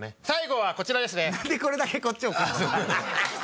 最後はこちらですね。